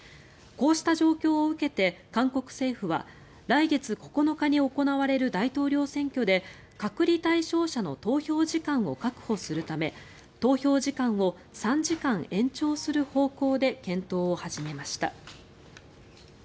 こうした状況を受けて韓国政府は、来月９日に行われる大統領選挙で隔離対象者の投票時間を確保するため投票時間を３時間延長する方向で検討を始めました。